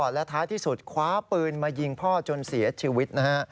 และท้ายที่สุดคว้าปืนมายิงพ่อจนเสียชีวิตนะฮะ